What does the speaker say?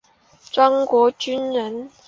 庄国钧人。